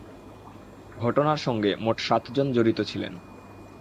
ঘটনার সঙ্গে মোট সাতজন জড়িত ছিলেন।